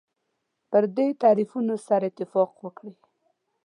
پر دې تعریفونو سره اتفاق وکړي.